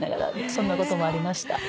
そんなこともありました。